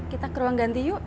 kita ke ruang ganti yuk